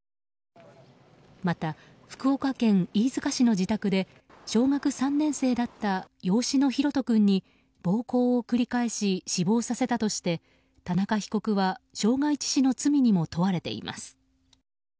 また、福岡県飯塚市の自宅で小学３年生だった養子の大翔君に暴行を繰り返し死亡させたとして田中被告は傷害致死の罪にも問われています。